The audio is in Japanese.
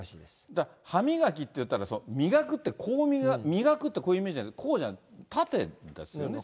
だから、歯磨きって言ったら磨くって、こう磨くってこうイメージがあるが、こうじゃない、縦ですよね。